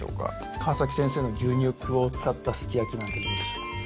川先生の牛肉を使ったすき焼きなんてどうでしょうか？